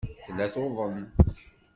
Tella tuḍen.